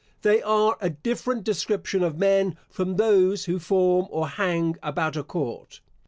They are a different description of men from those who form or hang about a court.